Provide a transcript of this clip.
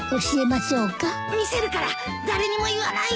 見せるから誰にも言わないで。